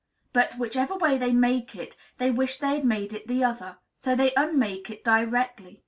But, whichever way they make it, they wish they had made it the other; so they unmake it directly.